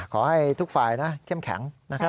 ขอให้ทุกฝ่ายนะเข้มแข็งนะครับ